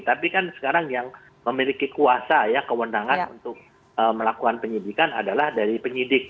tapi kan sekarang yang memiliki kuasa ya kewenangan untuk melakukan penyidikan adalah dari penyidik